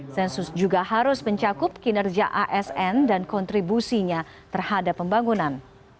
sensus juga harus mencakup kinerja asn dan kontribusinya terhadap pembangunan